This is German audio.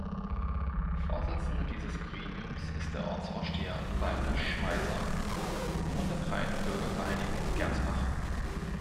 Vorsitzender dieses Gremiums ist der Ortsvorsteher Walter Schmeiser von der Freien Bürgervereinigung Gernsbach.